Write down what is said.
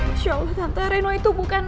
masya allah tante reno itu bukan